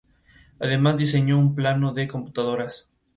Darla entonces le comenta que se está muriendo de sífilis.